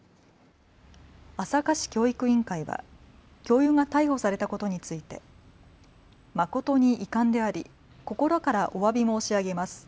朝霞市教育委員会は教諭が逮捕されたことについて誠に遺憾であり心からおわび申し上げます。